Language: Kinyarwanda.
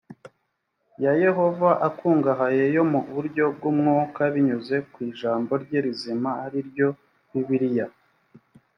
ya yehova akungahaye yo mu buryo bw umwuka binyuze ku ijambo rye rizima ari ryo bibiliya